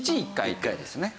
１回ですね。